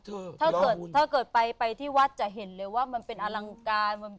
เขาเอาไปสร้างวัดเถอะ